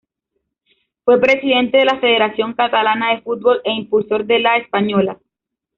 Fue presidente de la Federación Catalana de Fútbol e impulsor de la española.